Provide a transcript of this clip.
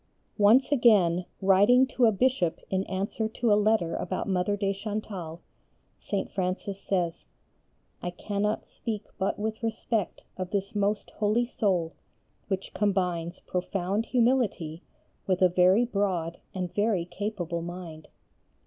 Once again, writing to a Bishop in answer to a letter about Mother de Chantal, St. Francis says: "I cannot speak but with respect of this most holy soul which combines profound humility with a very broad and very capable mind.